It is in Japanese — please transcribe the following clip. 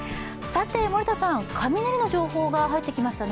森田さん、雷の情報が入ってきましたね。